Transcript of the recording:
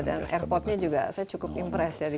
dan airportnya juga saya cukup impress ya di